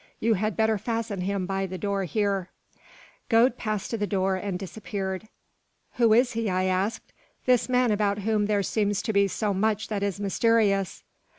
You had better fasten him by the door here." Gode passed to the door and disappeared. "Who is he?" I asked, "this man about whom there seems to be so much that is mysterious?"